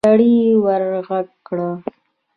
سړي ورغږ کړ.